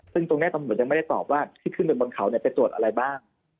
ซึ่งตรงนี้ตำรวจยังไม่ได้ตอบว่าที่ขึ้นไปบนเขาไปตรวจอะไรบ้าง